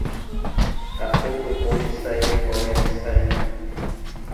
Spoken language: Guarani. Apytuʼũ resãi tekove resãime.